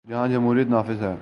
جہاں جمہوریت نافذ ہے۔